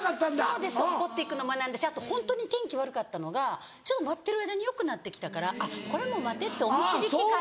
そうです怒って行くのも何だしあとホントに天気悪かったのがちょうど待ってる間によくなってきたからこれは待てっていうお導きかな。